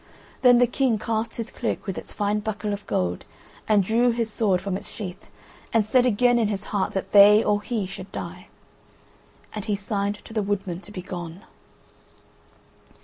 Then the King cast his cloak with its fine buckle of gold and drew his sword from its sheath and said again in his heart that they or he should die. And he signed to the woodman to be gone.